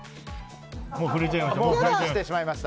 もう触れちゃいました。